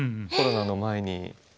コロナの前に。